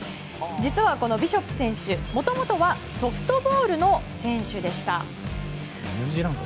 実は、このビショップ選手もともとはソフトボールの選手でした。